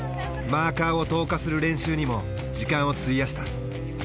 マーカーを投下する練習にも時間を費やした。